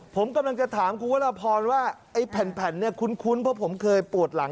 ผมกำลังจะถามคุณวรพรว่าไอ้แผ่นเนี่ยคุ้นเพราะผมเคยปวดหลัง